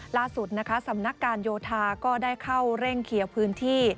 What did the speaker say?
ล่าสุดนะคะสำนักการโยธาก็ได้เข้าเร่งเคลียร์พื้นที่